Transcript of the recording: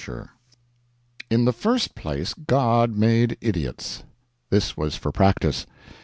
In the first place God made idiots. This was for practice.